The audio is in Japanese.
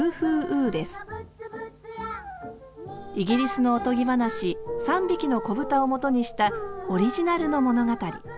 イギリスのおとぎ話「３匹の子豚」をもとにしたオリジナルの物語。